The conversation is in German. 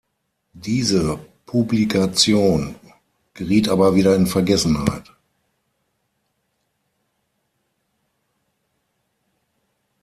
Diese Publikation geriet aber wieder in Vergessenheit.